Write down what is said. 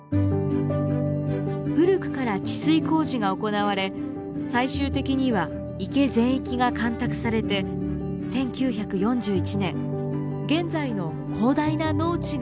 古くから治水工事が行われ最終的には池全域が干拓されて１９４１年現在の広大な農地が生まれたのです。